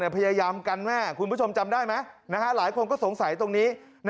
พยายามกันแม่คุณผู้ชมจำได้ไหมหลายคนก็สงสัยตรงนี้